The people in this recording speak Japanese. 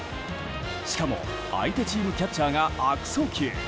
しかも、相手チームキャッチャーが悪送球。